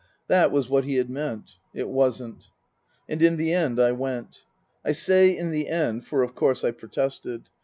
That was what he had meant (it wasn't). And in the end I went. I say in the end for of course I protested.